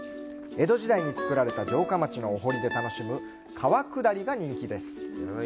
江戸時代に作られた城下町のお堀で楽しむ川下りが人気です。